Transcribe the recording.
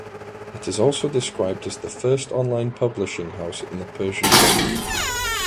It is also described as the first online publishing house in the Persian Gulf.